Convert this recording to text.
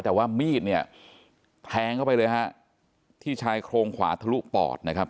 แต่ว่ามีดเนี่ยแทงเข้าไปเลยฮะที่ชายโครงขวาทะลุปอดนะครับ